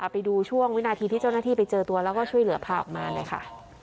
ไปดูช่วงวินาทีที่เจ้าหน้าที่ไปเจอตัวแล้วก็ช่วยเหลือพาออกมาหน่อยค่ะ